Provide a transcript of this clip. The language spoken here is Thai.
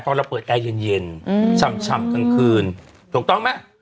พอเราเปิดแอร์เย็นฉ่ำกลางคืนถูกต้องไหม